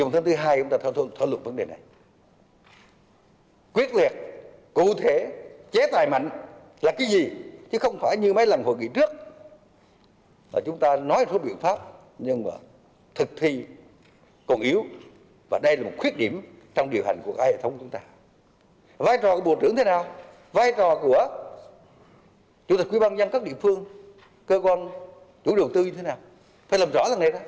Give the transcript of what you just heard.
chủ đầu tư như thế nào phải làm rõ ràng này ra phải kỷ lục thế nào phải điều chuyển vốn thế nào